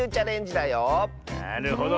なるほど。